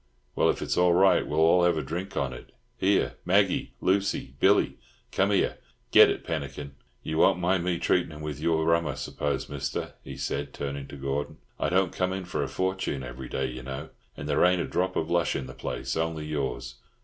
"Well, if it's all right, we'll all have a drink on it. Here, Maggie, Lucy, Billy, come here. Get it pannikin. You won't mind me treatin' 'em with your rum, I suppose, Mister?" he said, turning to Gordon. "I don't come in for a fortune every day, you know, and there ain't a drop of lush in the place, only yours."